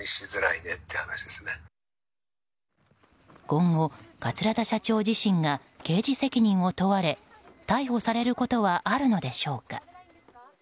今後、桂田社長自身が刑事責任を問われ逮捕されることはあるのでしょうか。